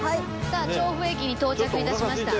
さあ調布駅に到着致しました。